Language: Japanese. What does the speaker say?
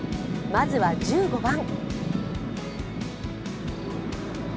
まずは１５番。